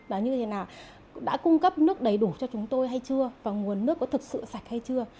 đó như thế nào đã cung cấp nước đầy đủ cho chúng tôi hay chưa và nguồn nước có thực sự sạch hay chưa